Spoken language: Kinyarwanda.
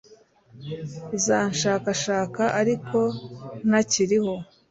uzanshakashaka ariko ntakiriho